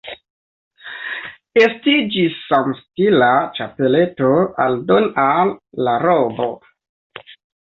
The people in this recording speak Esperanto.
Estiĝis samstila ĉapeleto aldone al la robo.